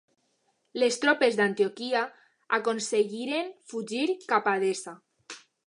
Les tropes d'Antioquia aconseguiren fugir cap a Edessa.